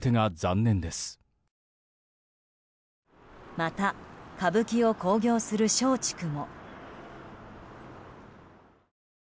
また歌舞伎を興行する松竹も。